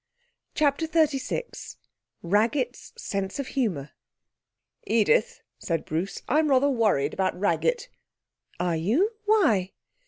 CHAPTER XXXVI Raggett's Sense of Humour 'Edith,' said Bruce, 'I'm rather worried about Raggett.' 'Are you? Why?'